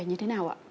như thế này